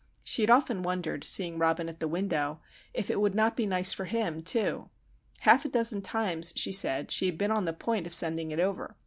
She had often wondered, seeing Robin at the window, if it would not be nice for him, too. Half a dozen times, she said, she had been on the point of sending it over.